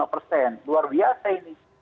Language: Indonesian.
tujuh puluh lima persen luar biasa ini